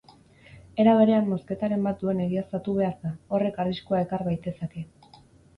Era berean mozketaren bat duen egiaztatu behar da, horrek arriskua ekar baitezake.